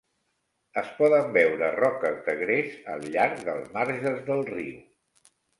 Es poden veure roques de gres al llarg dels marges del riu.